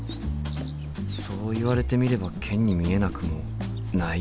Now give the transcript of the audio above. そう言われてみればケンに見えなくもないよな。